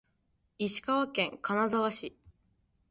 石川県金沢市